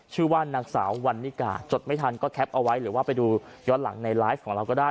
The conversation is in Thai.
ชื่อว่านางสาววันนิกาจดไม่ทันก็แคปเอาไว้หรือว่าไปดูย้อนหลังในไลฟ์ของเราก็ได้